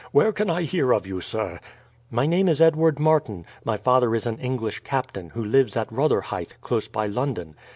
Where can I hear of you, sir?" "My name is Edward Martin. My father is an English captain, who lives at Rotherhithe, close by London.